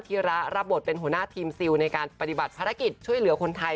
ระรับบทเป็นหัวหน้าทีมซิลในการปฏิบัติภารกิจช่วยเหลือคนไทย